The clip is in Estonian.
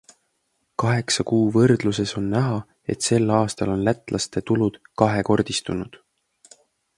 Kaheksa kuu võrdluses on näha, et sel aastal on lätlaste tulud kahekordistunud.